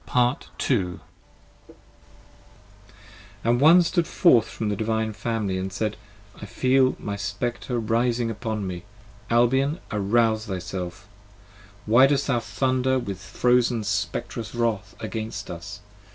p. 37 AND One stood forth from the Divine family & said: I feel my Spectre rising upon me! Albion! arouze thyself! Why dost thou thunder with frozen Spectrous wrath against us?